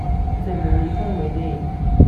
在能力範圍內